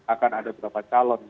akan ada berapa calon